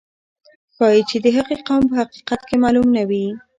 ښایي چې د هغې قوم په حقیقت کې معلوم نه وي.